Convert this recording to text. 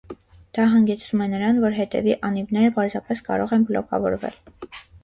Դա հանգեցնում է նրան, որ հետևի անիվները պարզապես կարող են բլոկավորվել։